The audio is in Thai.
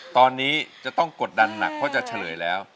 ตอนนี้จะต้องกดดันหนักเพราะจะเฉลยแล้ว